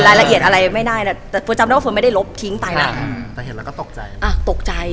รายละเอียดอะไรไม่ได้นะแต่เจ้าจำได้ว่าเห็นแล้วก็ตกใจ